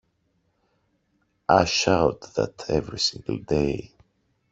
I shout that every single day!